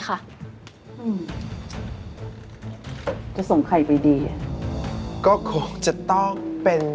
ก็คงจะต้องเป็น